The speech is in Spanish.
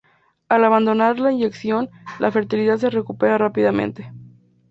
Al abandonar la inyección, la fertilidad se recupera rápidamente.